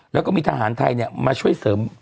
แล้วก็มีทหารไทยมาช่วยเสริม